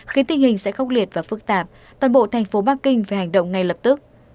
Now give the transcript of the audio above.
khiến tình hình sẽ khốc liệt và phức tạp toàn bộ thành phố bắc kinh phải hành động ngay lập tức